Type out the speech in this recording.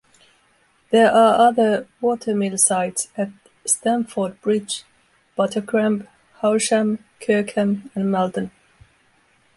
There are other water mill sites at Stamford Bridge, Buttercrambe, Howsham, Kirkham and Malton.